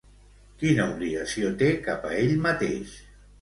Quina obligació té cap a ell mateix?